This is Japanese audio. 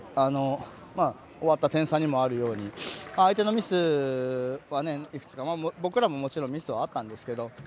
終わった点差にもあるように相手のミスはいくつか、僕らももちろんミスはあったんですけど。